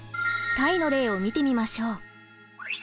タイの例を見てみましょう。